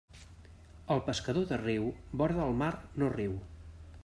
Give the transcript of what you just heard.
El pescador de riu, vora del mar no riu.